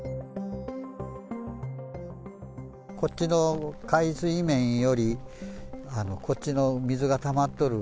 こっちの海水面より、こっちの水がたまっとる